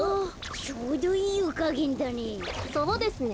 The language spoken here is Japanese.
ちょうどいいゆかげんだね。